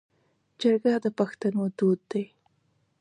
جرګه د پښتنو دود دی